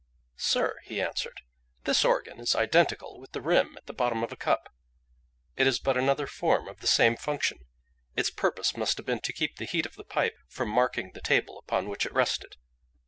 "Sir," he answered, "this organ is identical with the rim at the bottom of a cup; it is but another form of the same function. Its purpose must have been to keep the heat of the pipe from marking the table upon which it rested.